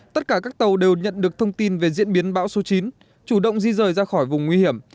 tất cả các tàu đều nhận được thông tin về diễn biến bão số chín chủ động di rời ra khỏi vùng nguy hiểm